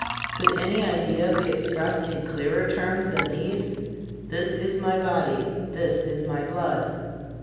Could any idea be expressed in clearer terms than these: This is My body; this is My blood?